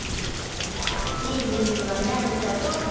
メニューは何だろう？